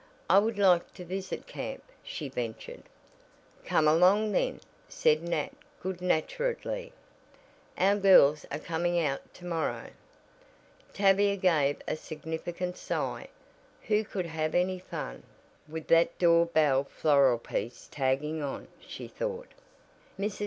"I would like to visit camp," she ventured. "Come along then," said Nat good naturedly, "Our girls are coming out to morrow." Tavia gave a significant sigh. Who could have any fun "with that door bell floral piece tagging on," she thought. Mrs.